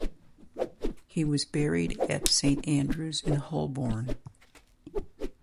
He was buried at Saint Andrew's in Holborn.